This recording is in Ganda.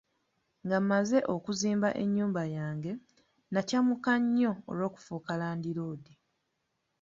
Nga mmaze okuzimba ennyumba yange, nakyamuka nnyo olw'okufuuka landiroodi.